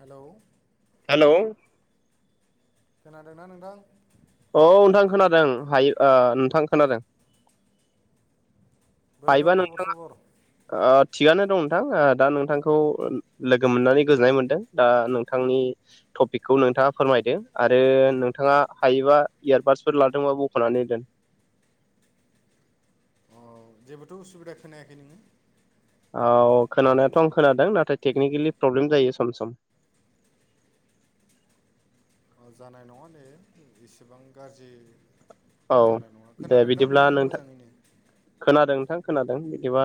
Hello hello खोनादोंना नोंथां? औ नोंथां खोनादों हायो ओ नोंथां खोनादों बोरै दं हायोबा खबर नोंथांआ सबर ओ थिगानो दं नोंथां ओ दा नोंथांखौ लोगो मोननानै गोजोननाय मोन्दों दा नोंथांनि टपिकखौ नोंथाङा फोरमायदों आरो नोंथाङा हायोबा इयारबादसफोर लादोंबा बख'नानै दोन अ जेबोथ' उसुबिदा खोनायाखै नोङो औ खोनानायाथ' आं खोनादों नाथाय टेकनिकेलि प्रब्लेम जायो सम सम ओ जानाय नङा दे इसेबां गारजि औ जानाय नङा दे खोनादों दा बिदिब्ला नों नोंथां मोजाङैनो खोनादों नोंथां खोनादों बिदिबा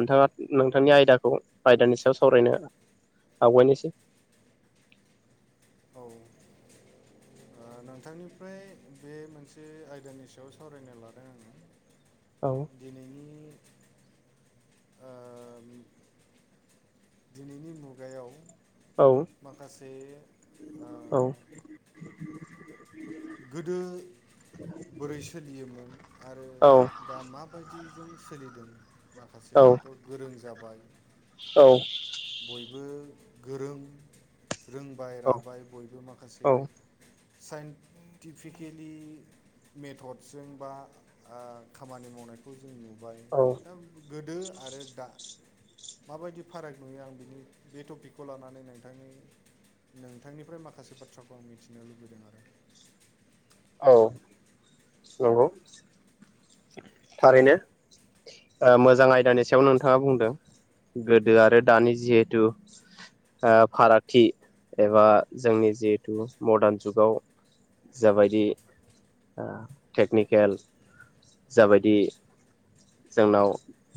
नोंथाङा नोंथांनि आयदाखौ आयदानि सायाव सावरायनो आवगायनिसै औ ओ नोंथांनिफ्राय बे मोनसे आयदानि सायाव सावरायनो लादों आङो [inaudible] औ दिनैनि ओम दिनैनि मुगायाव औ माखासे औ ओ गोदो बोरै सोलियोमोन आरो औ दा माबायदिजों सोलिदों माखासे दाथ' गोरों जाबाय औ बयबो गोरों रोंबाय औ राबाय बयबो माखासे औ साइन्टिफिकेलि मेथडजों बा खामानि मावनायखौ जों नुबाय औ ओम गोदो आरो दा माबायदि फाराग नुयो आं बिनि बे टपिकखौ लानानै नोंथांनि नोंथांनिफ्राय माखासे बाथ्राखौ आं मिथिनो लुबैदों आरो औ नंगौ थारैनो मोजां आयदानि सायाव नोंथाङा बुंदों गोदो आरो दानि जिहेथु फारागथि एबा जोंनि जिहेथु मदारन जुगाव जाबायदि टेकनिकेल जाबायदि जोंनाव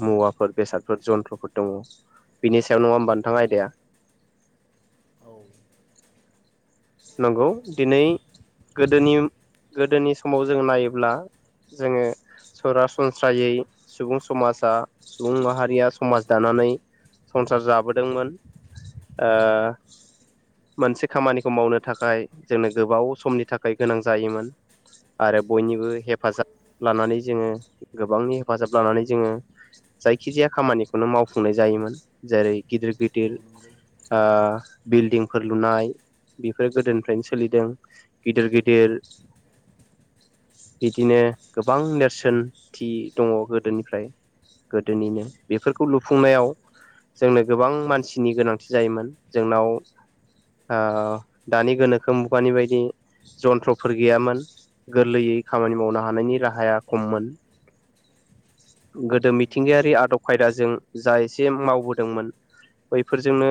मुवाफोर बेसादफोर जन्थ्रफोर दङ बि सायाव नङाोमबा नोंथां आयदाया औ नंगौ दिनै गोदोनि गोदोनि समाव जों नायोब्ला जोङो सरासनस्रायै सुबुं समाजा सुबुं माहारिया समाज दानानै संसार जाबोदोंमोन मोनसे खामानि मावनो थाखाय जोंनो गोबाव समनि थाखाय गोनां जायोमोन। आरो बयनिबो हेफाजाब लानानै जोङो गोबांनि हेफाजाब लानानै जोङो जायखिजाया खामानिखौनो मावफुंनाय जायोमोन। जेरै गिदिर औ गिदिर नंगौ बिल्डिंफोर लुनाय बेफोरो गोदोनिफ्रायनो सोलिदों गिदिर गिदिर बिदिनो गोबां नेरसोनथि दङ गोदोनिफ्राय गोदोनिनो बेफोरखौ लुफुंनायाव जोंनो गोबां मानसिनि गोनांथि जायोमोन जोंनाव दानि गोनोखो मुगानि बायदि जन्थ्रफोर गैयामोन। गोरलैयै खामानि मावनो हानायनि राहाया खममोन गोदो मिथिंगायारि आदब खायदाजों जा एसे मावबोदोंमोन। बैफोरजोंनो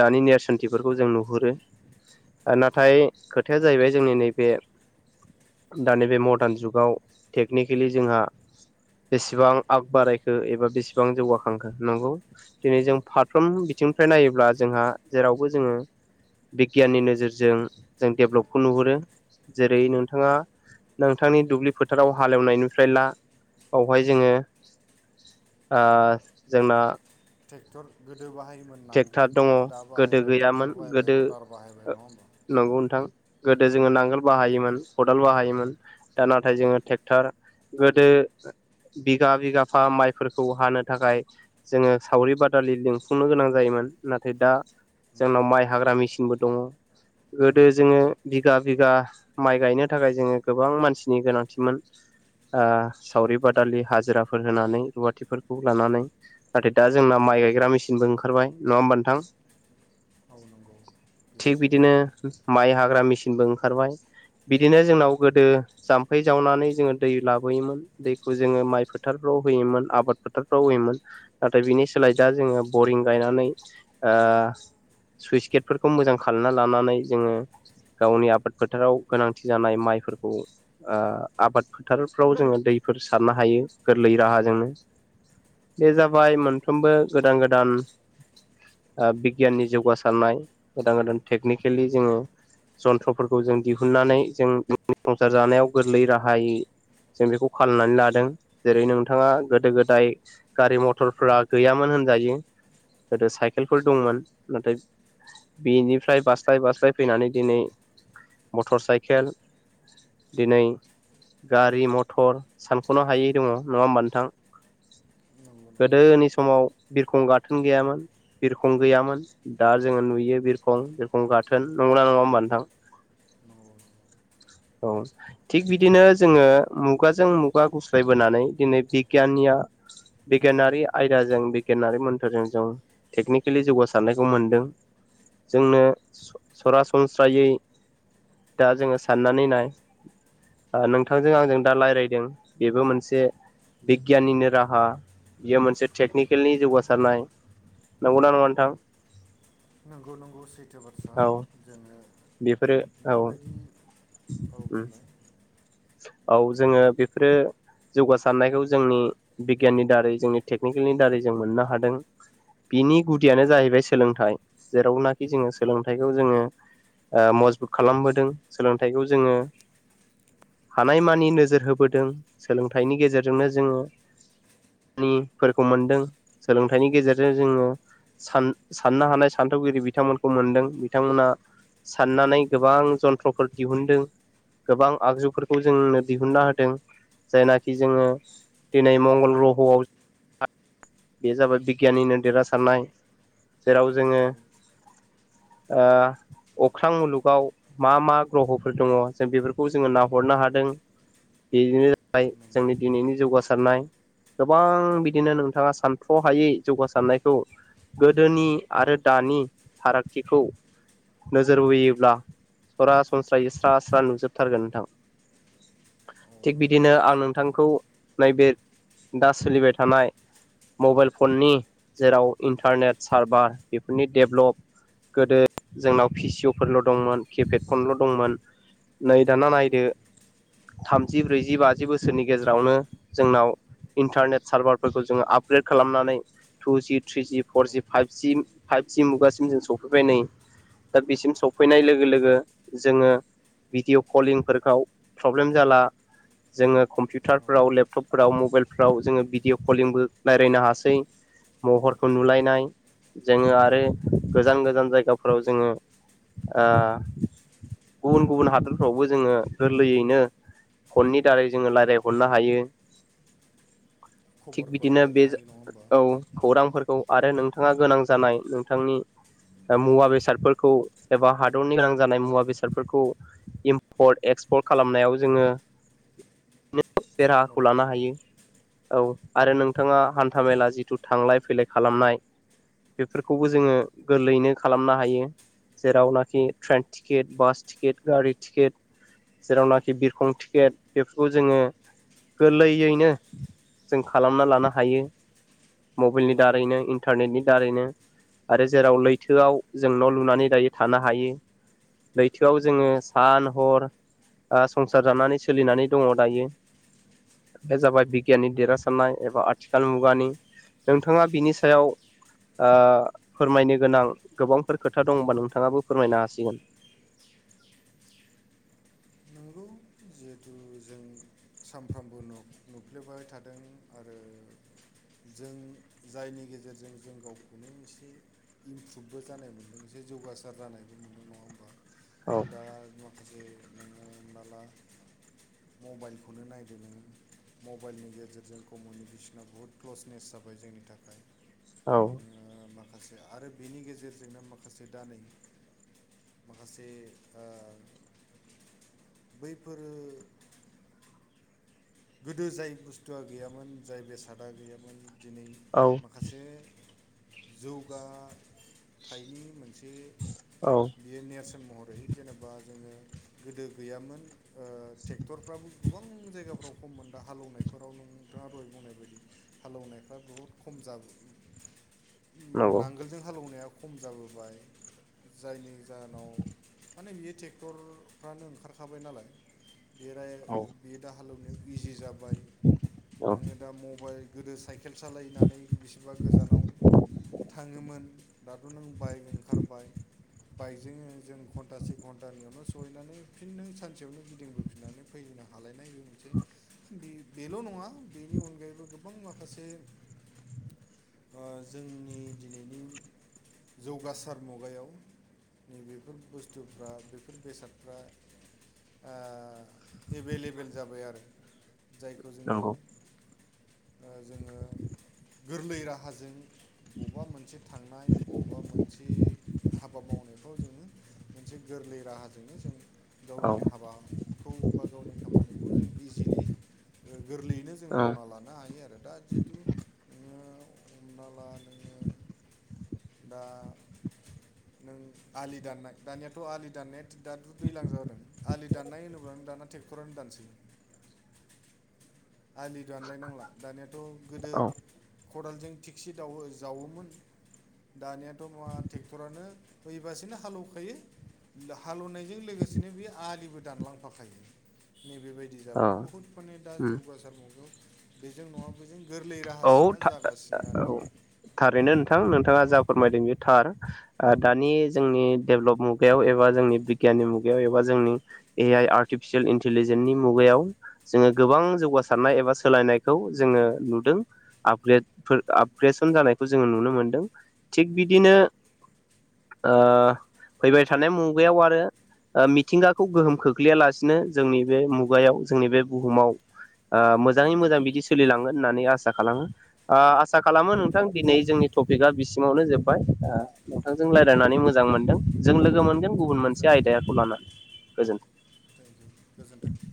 दानि नेेरसोनथिफोरखौ जों नुहुरो। नाथाय खोथाया जाहैबाय जोंनि नैबे दानि बेे मडार्न जुगाव टेकनिकेलि जोंहा बेसेबां आग बारायखो एबा बेसेबां जौगाखांखो नंगौ दिनै जों फारफ्रोम बिथिंनिफ्राय नायोब्ला जोंहा जेरावबो जोङो बिगियाननि नोजोरजों जों डेभ्लपखौ नुहुरो। जेरै नोंथाङा नोंथांनि दुब्लि फोथाराव हालेएवनायनिफ्राय ला बावहाय जोङो जोंना ट्रेक्टर गोदो बाहायोमोन ट्रेक्टर नांगोन दङ दा गोदो बाहायबाय गैयामोन ट्रेक्टर बाहायबाय गोदो रटार बाहायबाय नङा होमबा? नंगौ नोंथां गोदो जोङो नांगोल बाहायोमोन खदाल बाहायोमोन। दा नाथाय जोङो ट्रेक्टर गोदो बिगा बिगाफा माइफोरखौ हानो थाखाय जोङो सावरि बादालि लिंफुंनो गोनां जायोमोन नाथाय दा जोंनाव माइ हाग्रा मेसिनबो दङ। गोदो जोङो बिगा बिगा माइ गायनो थाखाय जोङो गोबां मानसिनि गोनांथिमोन सावरि बादालि हाजिराफोर होनानै रुवाथिफोरखौ लानानै नाथाय दा जोंना माइ गायग्रा मेसिनबो ओंखारबाय नङा होमबा नोंथां औ नंगौ बे थिग सैथो बिदिनो माइ हाग्रा मेसिनबो ओंखारबाय बिदिनो जोंनाव गोदो जाम्फै जावनानै जोङो दै लाबोयोमोन दैखौ जोङो माइ फोथारफ्राव होयोमोन आबाद फोथारफ्राव होयोमोन नाथाय बिनि सोलाय दा जोङो बरिं गायनानै आ सुइस गेटफोरखौ मोजां खालायना लानानै जोङो गावनि आबाद फोथाराव गोनांथि जानाय माइफोरखौ आबाद फोथारफ्राव जोङो दैफोर सारनो हायो गोरलै राहाजोंनो बे जाबाय मोनफ्रोमबो गोदान गोदान बिगियाननि जौगासारनाय गोदान गोदान टेकनिकेलि जोङो जन्थ्रफोरखौ जों दिहुनन्नानै जों संसार जानायाव गोरलै राहायै जों बेखौ खालामनानै लादों जेरै नोंथाङा गोदो गोदाय गारि मथरफ्रा गैयामोन होनजायो गोदो साइकेलफोर दंमोन नाथाय बिनिफ्राय बास्लाय बास्लाय फैनानै दिनै मटर साइकेल दिनै गारि मथर सानख'नो हायै दङ नङा होमबा नोंथां नंगौ नंगौ गोदोनि समाव बिरखं गाथोन गैयामोन बिरखं गैयामोन दा जोङो नुयो बिरखं बिरखं गाथोन नंगोना नङा होमबा नोंथां [unintelligible] औ थिग बिदिनो जोङो मुगाजों मुगा गुस्लायबोनानै दिनै बिगियाननिया बिगियानारि आयदाजों बिगियानारि मोन जों टेकनिकेलि जौगासारनायखौ मोन्दों जोंनो सरासनस्रायै दा जोङो साननानै नाय नोंथांजों आंजों दा रायलायदों बेबो मोनसे बिगियाननिनो राहा बियो मोनसे टेकनिकेलनि जौगासा सारनाय नंगौना नङा नोंथां नंगौ नंगौ सैथो बाथ्रा औ जोङो बेफोरो औ बेबायदि औ ओ बुंलाय औ जोङो बेफोरो जौगासारनायखौ जोंनि बिगियाननि दारै जोंनि टेकनिकेलनि दारै जों मोननो हादों बिनि गुदियानो जाहैबाय सोलोंथाइ जेरावनाखि जोङो सोलोंथाइखौ जोङो ओ मजबुत खालामबोदों सोलोंथाइखौ जोङो हानायमानि नोजोर होबोदों सोलोंथाइनि गेजेरजोंनो जोङो खामानिफोरखौ मोनदों सोलोंथाइनि गेजेरजों जोङो सान साननो हानाय सान्थौगिरि बिथांमोनखौ मोनदों बिथांमोना साननानै गोबां जन्थ्रफोर दिहुनदों गोबां आगजुफोरखौ जोंनो दिहुनना होदों जायनाखि जोङो दिनै मंगल ग्रह'आव बे जाबाय बिगियाननिनो देरहासारनाय जेराव जोङो औ ओ अख्रां मुलुगाव मा मा ग्रह'फोर दङ जों बेफोरखौ जोङो नाहरनो हादों बिदिनो जाबाय नंगौ जोंनि दिनैनि जौगासारनाय गोबां बिदिनो नोंथाङा सानथ्रहायै जौगासारनायखौ गोदोनि आरो दानि फारागथिखौ नोजोर बोयोब्ला सरासनस्रायै स्रा स्रा नुजोबथारगोन नोंथां औ थिग नंगौ बिदिनो बे आं सैथो नोंथांखौ नैबे दा सोलिबाय थानाय मबाइल फननि जेराव इन्टारनेट सारभार बेफोरनि डेभलप गोदो जोंनाव पिसियअफोरल' दंमोन किपेड फन ल' दंमोन नै दाना औ नायदो नंगौ थामजि ब्रैजि बाजि बोसोरनि गेजेरावनो जोंनाव इन्टारनेट सारभारफोरखौ जोङो आपग्रेड खालामनानै टुजि थ्रिजि औ फरजि फाइभजि फाइभजि मुगासिम जों सफैबाय नै दा बिसिम उम सफैनाय लोगो लोगो जोङो भिडिअ' कलिंफोरखौ प्रब्लेम जाला जोङो औ कम्पिउटारफ्राव लेपटपफोराव मबाइलफ्राव जोङो भिडिअ कलिंबो रायलायनो हासै महरखौ नुलायनाय जोङो आरो गोजान गोजान जायगाफोराव जोङो आ गुबुन गुबुन हादोरफ्रावबो जोङो गोरलैयैनो फननि दारै जोङो रायलायहरनो हायो थिग खबरखौ बिदिनो लालायनो बे हायो नङा होमबा औ खौरांफोरखौ आरो नोंथाङा गोनां जानाय नोंथांनि मुवा बेसादफोरखौ एबा हादरनि गोनां जानाय मुवा बेसादफोरखौ इम्पर्ट एक्सपर्ट खालामनायाव जोङो सहाय राहाखौ मदद लानो मोनबाय हायो औ आरो नों थाङा हान्थामेला जिथु थांलाय फैलाय खालामनाय बेफोरखौबो जोङो गोरलैयैनो खालामनो हायो। जेरावनाखि ट्रेन टिकेट बास टिकेट गारि टिकेट जेरावनाखि बिरखं टिकेट बेफोरखौ जोङो गोरलैयैनो जों खालामना लानो हायो। मबाइलनि दारैनो इन्टारनेटनि दारैनो आरो जेराव लैथोआव जों न' लुनानै दायो थानो हायो। लैथोआव जोङो सान हर संसार जानानै सोलिनानै दङ दायो। बे जाबाय नंगौ बिगियाननि देरहासारनाय एबा आथिखाल मुगानि नोंथाङा बिनि सायाव ओ फोरमायनो गोनां गोबांफोर खोथा दंबा नोंथाङाबो फोरमायनो हासिगोन। नंगौ जिहेथु जों सानफ्रामबो नुफ्लेबाय थादों आरो जों जायनि गेजेरजों जों गावखौनो एसे इमप्रुभबो जानाय मोन्दों एसे जौगासार जानायबो मोनदों नङा होमबा औ दा माखासे नोङो होनलाय मबाइलखौनो नायदों मबाइलनि गेजेरजों कमिउनिकेसना बुहुत क्लसनेस जाबाय जोंनि थाखाय औ नोङो माखासे आरो बेनि गेजेरजोंनो माखासे दा नै माखासे फोरो गोदो जाय बुस्थुआ गैयामोन जाय बेसादा गैयामोन दिनै औ माखासे जौगाथायनि मोनसे औ बियो नेरसोन महरै जेनेबा जोङो गोदो गैयामोन ट्रेक्टरफ्राबो गोबां जायगाफ्राव खम मोन दा हालौनायफोराव नोंथाङा दय बुंनाय बायदि हलौनायफ्रा बुहुद खम जाबो नंगौ नांगोलजों हालौनाया खम जाबोबाय जायनि जाहोनाव माने बियो ट्रेक्टरफ्रानो ओंखारखाबाय नालाय बे आरो औ बे दा हालेवनायाव इजि जाबाय औ नोङो दा मबाइल गोदो साइकेल सालायनानै बिसेबा गोजानाव थाङोमोन दाथ' नों बाइक ओंखारबाय बाइकजोंनो जों घन्टासे घन्टानियावनो सहैनानै फिन नों सानसेयावनो गिदिंबो फिनानै फैनो हालायनाय बे मोनसे बे बेल' नङा बेनि अनगायैबो गोबां माखासे जोंनि दिनैनि जौगासार मुगायाव नैबेफोर बुस्थुफ्रा बेफोर बेसादफ्रा एभेलेबेल जाबाय आरो जायखौ जोङो नंगौ जोङो गोरलै राहाजों बबबा मोनसे थांनाय बबबा मोनसे हाबा मावनायफ्राव जोङो मोनसे गोरलै राहाजोंनो जों औ गावनि हाबाखौ बा गावनि खामानिखौ जों इजिलि गोरलैयैनो जों औ मावना लानो हायो आरो दा जिहेथु नोङो हमना ला नोङो दा नों आलि दाननाय दानियाथ' आलि दाननाया दाथ' दैलां जादों आलि दाननाय होनोब्ला नों दाना ट्रेक्टरानो दानसै आलि दानलायनांला दानियाथ' गोदो औ खदालजों थिकसि दावो जावोमोन दानियाथ' मा ट्रेक्टरानो ऐबासेनो हालौ खायो हालौ नायजों लोगोसेनो बे आलिबो दानलांफाखायो नैबेबायदि जाबाय बहुत माने दा औ जौगासार मुगायाव बेजों नङा बैजों गोरलै औ राहासिना था जागासिनो औ आरोखि थारैनो नोंथां नोंथाङा जा फोरमायदों बे थार दानि जोंनि डेभेलप मुगायाव एबा जोंनि बिगियाननि मुगायाव एबा जोंनि ए आइ आर्टिफिसियेल इन्टिलिजेन्सनि मुगायाव जोङो गोबां जौगासारनाय एबा सोलायनायखौ जोङो नुदों आपग्रेड आपग्रेसन जानायखौ जोङो नुनो मोनदों थिग बिदिनो फैबाय थानाय मुगायाव आरो मिथिंगाखौ गोहोम खोख्लैयालासिनो जोंनि बे मुगायाव जोंनि बे बुहुमाव मोजाङै मोजां बिदि सोलिलांगोन होननानै आसा खालामो आसा खालामो नोंथां दिनै जोंनि टपिकआ बिसिमावनो जोब्बाय नोंथांजों औ रायलायनानै मोजां मोनदों जों लोगो मोनगोन जोबोद गुबुन मोनसे आयदाखौ लानानै गोजोन्थों थेंक इउ गोजोन्थों